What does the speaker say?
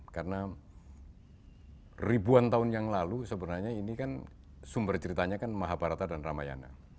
karena ribuan tahun yang lalu sebenarnya ini kan sumber ceritanya kan mahabharata dan ramayana